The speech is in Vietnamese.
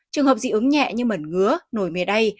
trường hợp dị ứng nhẹ như mẩn ngứa nổi mề đay